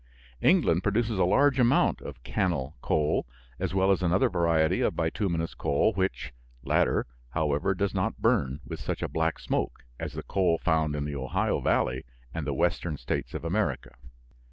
England produces a large amount of cannel coal, as well as another variety of bituminous coal, which latter, however, does not burn with such a black smoke as the coal found in the Ohio valley and the Western States of America.